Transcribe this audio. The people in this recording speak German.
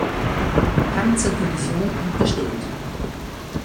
Panzerdivision unterstellt.